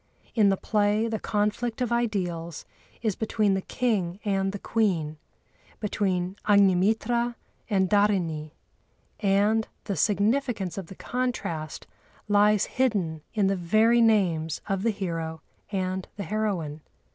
In the play the conflict of ideals is between the King and the Queen, between Agnimitra and Dhârini, and the significance of the contrast lies hidden in the very names of the hero and the heroine.